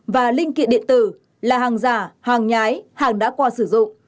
và linh kiện điện tử là hàng giả hàng nhái hàng đã qua sử dụng